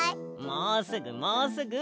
もうすぐもうすぐ！